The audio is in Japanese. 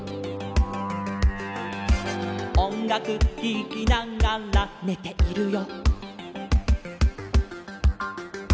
「おんがくききながらねているよ」